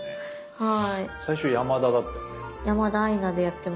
はい。